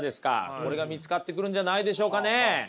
これが見つかってくるんじゃないでしょうかね。